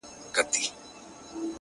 د ژوندون نور وړی دی اوس په مدعا يمه زه ـ